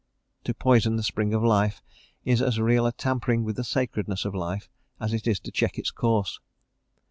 To poison the spring of life is as real a tampering with the sacredness of life as it is to check its course.